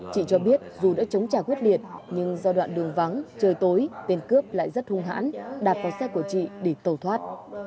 chị cho biết dù đã chống trả quyết liệt nhưng do đoạn đường vắng trời tối tên cướp lại rất hung hãn đạp vào xe của chị để tàu thoát